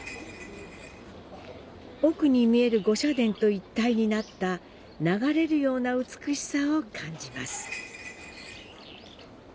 奥に見える御社殿と一体になった流れるような美しさを感じます。